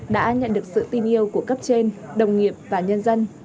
đã nhận được sự tin yêu của cấp trên đồng nghiệp và nhân dân